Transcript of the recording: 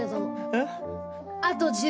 えっ！？